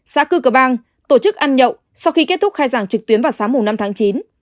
xã cư cơ bang tổ chức ăn nhậu sau khi kết thúc khai giảng trực tuyến vào sáng năm tháng chín